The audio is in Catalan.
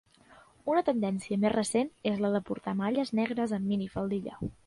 Una tendència més recent és la de portar malles negres amb minifaldilla.